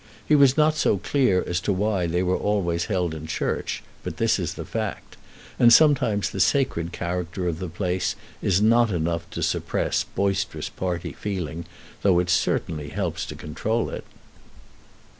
He was not so clear as to why they were always held in church, but that is the fact; and sometimes the sacred character of the place is not enough to suppress boisterous party feeling, though it certainly helps to control it.